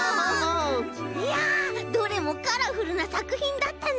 いやどれもカラフルなさくひんだったね。